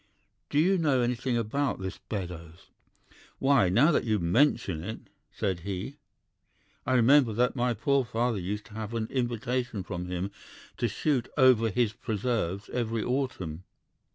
Do you know anything of this Beddoes?' "'Why, now that you mention it,' said he, 'I remember that my poor father used to have an invitation from him to shoot over his preserves every autumn.